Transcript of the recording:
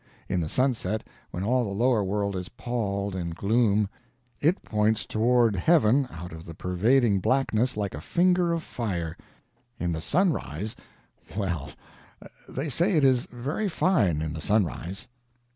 In the sunset, when all the lower world is palled in gloom, it points toward heaven out of the pervading blackness like a finger of fire. In the sunrise well, they say it is very fine in the sunrise.